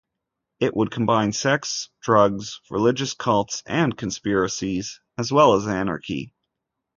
It would combine sex, drugs, religious cults and conspiracies, as well as anarchy.